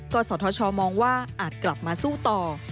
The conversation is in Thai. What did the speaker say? ก็สทชมองว่าอาจกลับมาสู้ต่อ